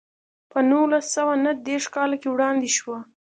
په نولس سوه نهه دېرش کال کې وړاندې شوه.